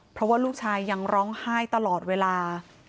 เพราะว่าลูกชายยังร้องไห้ตลอดเวลา